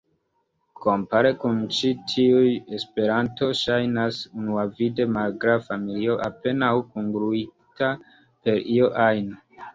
Kompare kun ĉi tiuj, Esperanto ŝajnas unuavide magra familio apenaŭ kungluita per io ajn.